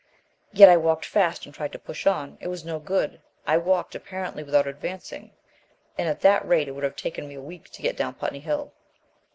Yet I walked fast and tried to push on. It was no good. I walked apparently without advancing, and at that rate it would have taken me a week to get down Putney Hill."